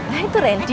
ah itu rendy